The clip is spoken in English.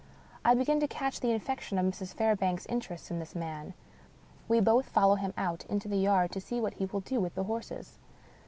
I begin to catch the infection of Mrs. Fairbank's interest in this man. We both follow him out into the yard to see what he will do with the horses.